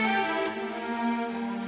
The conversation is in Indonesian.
nanti kita berdua bisa berdua